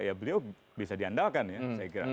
ya beliau bisa diandalkan ya saya kira